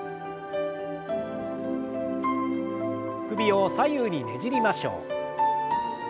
首を左右にねじりましょう。